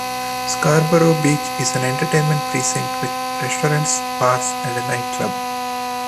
Scarborough Beach is an entertainment precinct with restaurants, bars and a nightclub.